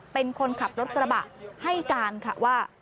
เป็นคนขับรถกระบะให้การค่ะว่า